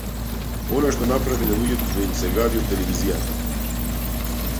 Она што направи на луѓето да им се гади од телевизија.